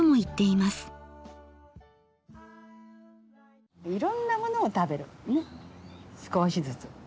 いろんなものを食べるんですね。